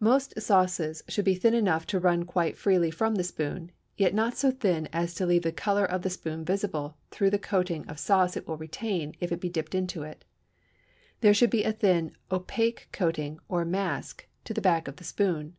Most sauces should be thin enough to run quite freely from the spoon, yet not so thin as to leave the color of the spoon visible through the coating of sauce it will retain if it be dipped into it; there should be a thin opaque coating or "mask" to the back of the spoon.